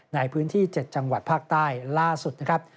ในพื้นที่๗จังหวัดภาคใต้ล่าสุดนะครับ